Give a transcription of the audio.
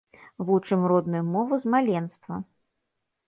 Вучым родную мову з маленства!